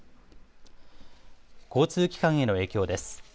交通機関への影響です。